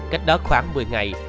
cách đó khoảng một mươi ngày